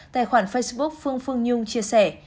tài khoản facebook phương phương nhung chia sẻ